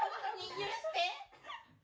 許して！